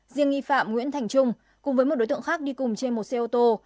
riêng nghi phạm nguyễn thành trung cùng với một đối tượng khác đi cùng trên một xe ô tô